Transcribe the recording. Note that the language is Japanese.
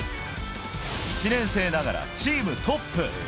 １年生ながらチームトップ。